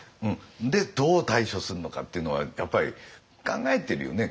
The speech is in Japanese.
でどう対処するのかっていうのはやっぱり考えてるよね。